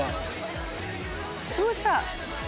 どうした？